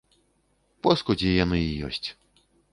Поскудзі яны і ёсць.